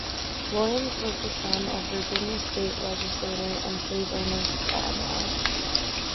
Williams was the son of Virginia state legislator and slave owner Saml.